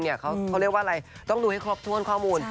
เขาเรียกว่าอะไรต้องดูให้ครบถ้วนข้อมูล